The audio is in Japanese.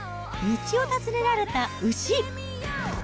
道を尋ねられた牛。